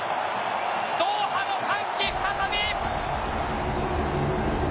ドーハの歓喜再び。